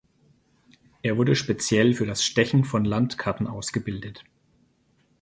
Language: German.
Er wurde speziell für das Stechen von Landkarten ausgebildet.